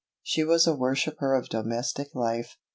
She was a worshipper of domestic life.